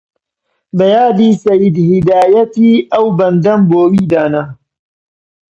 یادی سەید هیدایەتی ئەو بەندەم بۆ وی دانا